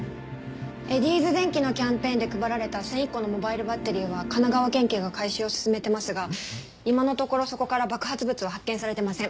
エディーズ電機のキャンペーンで配られた１００１個のモバイルバッテリーは神奈川県警が回収を進めてますが今のところそこから爆発物は発見されてません。